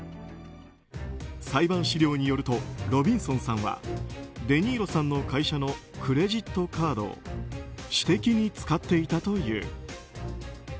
裁判資料によるとロビンソンさんはデ・ニーロさんの会社のクレジットカードを私的に使っていたという。